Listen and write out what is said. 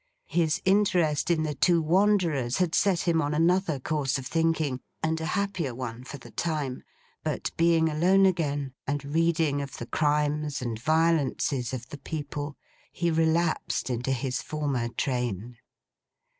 His interest in the two wanderers had set him on another course of thinking, and a happier one, for the time; but being alone again, and reading of the crimes and violences of the people, he relapsed into his former train.